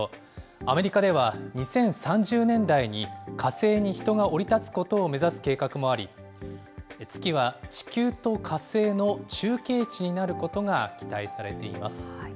アメリカでは、２０３０年代に、火星に人が降り立つことを目指す計画もあり、月は地球と火星の中継地になることが期待されています。